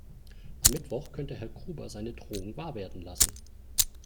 Am Mittwoch könnte Herr Gruber seine Drohung wahr werden lassen.